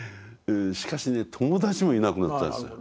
しかしね友達もいなくなったんですよ。